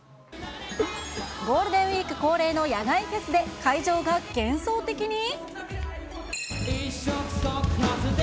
ゴールデンウィーク恒例の野外フェスで会場が幻想的に？